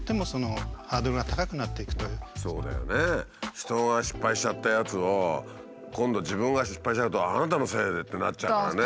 人が失敗しちゃったやつを今度自分が失敗しちゃうと「あなたのせいで」ってなっちゃうからね。